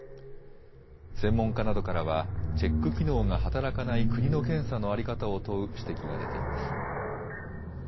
専門家などからはチェック機能が働かない国の検査の在り方を問う指摘が出ています。